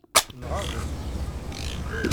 Nɣaḍ-itt?